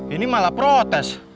ini malah protes